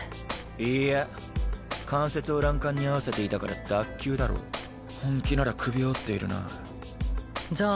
いや関節を欄干に合わせていたから脱臼だろ本気なら首を折っているなじゃあ